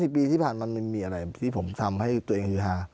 ปีที่ผ่านมามันมีอะไรที่ผมทำให้ตัวเองคือฮา